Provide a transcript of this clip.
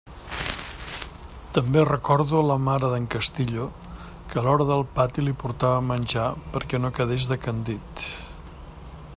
També recordo la mare d'en Castillo que a l'hora del pati li portava menjar perquè no quedés decandit.